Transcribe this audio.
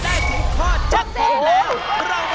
เขาจะทำแจ๊คพอร์ตครองที่๓ของเรา